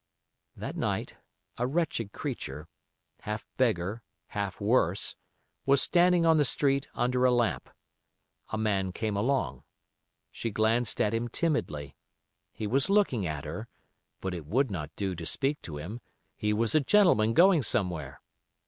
That night a wretched creature, half beggar, half worse, was standing on the street under a lamp. A man came along. She glanced at him timidly. He was looking at her, but it would not do to speak to him, he was a gentleman going somewhere.